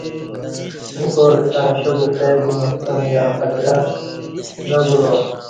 ییں پارہ ستݩع شا کہ کائی نقصان یا خطرہ نہ بولا